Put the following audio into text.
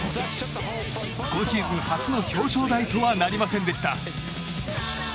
今シーズン初の表彰台とはなりませんでした。